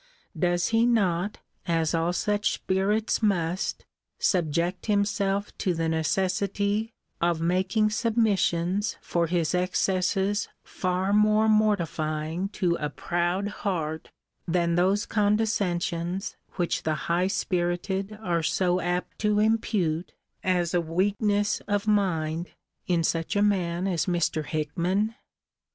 Does he not, as all such spirits must, subject himself to the necessity of making submissions for his excesses far more mortifying to a proud heart than those condescensions which the high spirited are so apt to impute as a weakness of mind in such a man as Mr. Hickman?